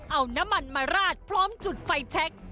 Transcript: เอาน้ำมันมาราดพร้อมจุดไฟแชค